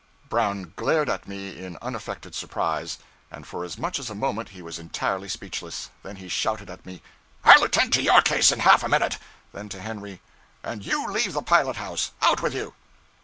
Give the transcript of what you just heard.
Brown glared at me in unaffected surprise; and for as much as a moment he was entirely speechless; then he shouted to me 'I'll attend to your case in half a minute!' then to Henry, 'And you leave the pilot house; out with you!'